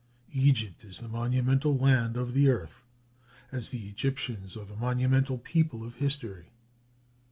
Egypt is the monumental land of the earth, as the Egyptians are the monumental people of history.